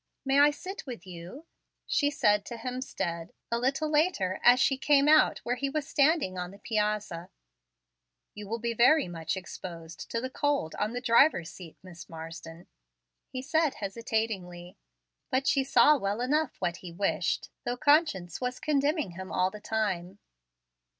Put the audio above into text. May I sit with you?" she said to Hemstead, a little later, as she came out where he was standing on the piazza, "You will be very much exposed to the cold on the driver's seat, Miss Marsden," he said, hesitatingly; but she saw well enough what he wished, though conscience was condemning him all the time.